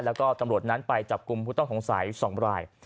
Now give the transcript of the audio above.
แล้วก็ตำรวจนั้นไปจับกลุ่มผู้ต้องสงสัย๒ราย